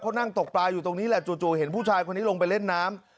เขานั่งตกปลาอยู่ตรงนี้แหละจู่เห็นผู้ชายคนนี้ลงไปเล่นน้ำ